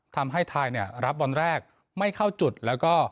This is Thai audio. ทำให้ไทยเนี่ยรับบอลแรกไม่เข้าจุดแล้วก็